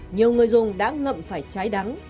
nhiều người dùng đã ngậm phải trái đắng